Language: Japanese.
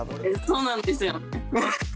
そうなんですよね。